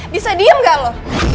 bisa diem gak lo